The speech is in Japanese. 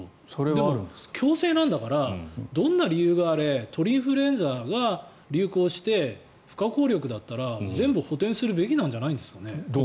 でも、強制なんだからどんな理由があれ鳥インフルエンザが流行して不可抗力だったら全部補てんするべきじゃないですかね。